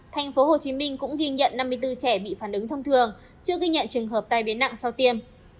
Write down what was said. tp hcm cũng ghi nhận năm mươi bốn trẻ bị phản ứng thông thường chưa ghi nhận trường hợp tai biến nặng sau tiêm